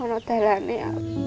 kalau ada dailan ini ya